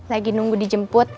lagi nunggu dijemput